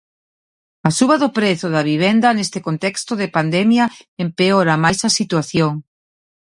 A suba do prezo da vivenda neste contexto de pandemia empeora máis a situación.